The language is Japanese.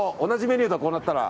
同じメニュー。